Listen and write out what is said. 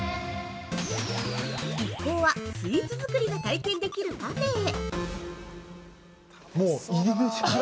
一行は、スイーツ作りが体験できるカフェへ。